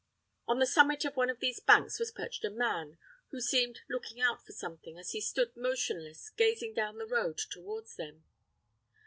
On the summit of one of these banks was perched a man, who seemed looking out for something, as he stood motionless, gazing down the road towards them.